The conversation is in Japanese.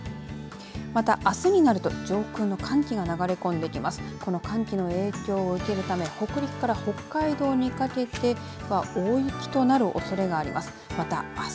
またあすになると上空の寒気が流れ込んできます。